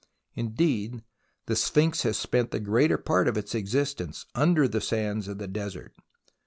Indeed the Sphinx has spent the greater part of its existence under the sands of the desert.